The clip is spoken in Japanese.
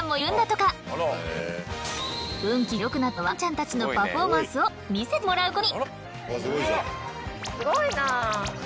こちらは運気がよくなったワンちゃんたちのパフォーマンスを見せてもらうことに。